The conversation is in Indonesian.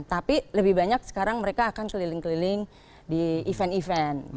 tapi lebih banyak sekarang mereka akan keliling keliling di event event